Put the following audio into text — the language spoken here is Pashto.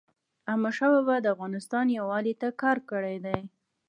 احمدشاه بابا د افغانستان یووالي ته کار کړی دی.